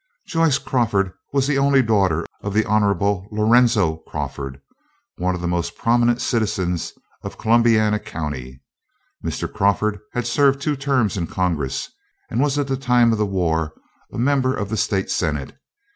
Joyce Crawford was the only daughter of the Hon. Lorenzo Crawford, one of the most prominent citizens of Columbiana County. Mr. Crawford had served two terms in Congress, and was at the time of the war a member of the state senate.